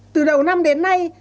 từ đầu năm đến nay